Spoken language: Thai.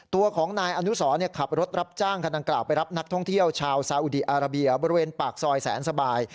ตัวของนายอนุสรขับรถรับจ้างคันดังกล่าวไปรับนักท่องเที่ยวชาวซาอุดีอาราเบียบริเวณปากซอยแสนสบาย